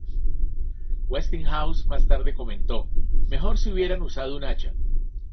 Westinghouse más tarde comentó: ""Mejor si hubieran usado un hacha"".